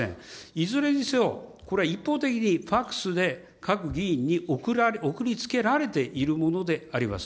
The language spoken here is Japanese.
いずれにせよ、これは一方的に、ファックスで各議員に送り付けられているものであります。